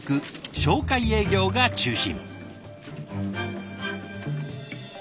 紹介営業が中心。